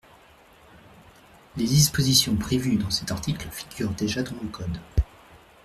Les dispositions prévues dans cet article figurent déjà dans le code.